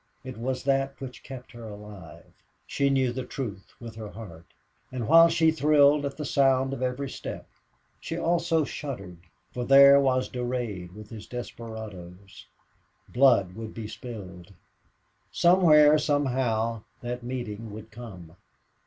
It was that which kept her alive. She knew the truth with her heart. And while she thrilled at the sound of every step, she also shuddered, for there was Durade with his desperadoes. Blood would be spilled. Somewhere, somehow, that meeting would come.